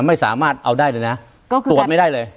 ไม่สามารถเอาได้เลยนะตรวจไม่ได้เลย